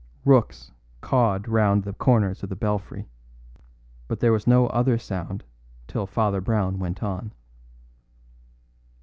Rooks cawed round the corners of the belfry; but there was no other sound till Father Brown went on.